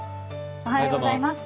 おはようございます。